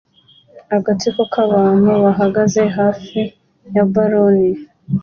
agatsiko k'abantu bahagaze hafi ya ballon